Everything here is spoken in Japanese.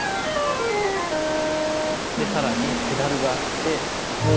さらにペダルがあって。